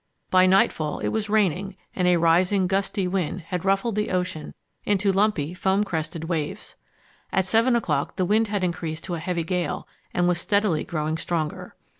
By nightfall it was raining, and a rising, gusty wind had ruffled the ocean into lumpy, foam crested waves. At seven o'clock the wind had increased to a heavy gale and was steadily growing stronger.